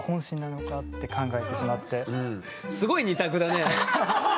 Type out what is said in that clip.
あれはすごい２択だね。